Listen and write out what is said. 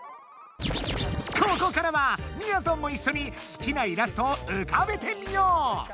ここからはみやぞんもいっしょに好きなイラストを浮かべてみよう！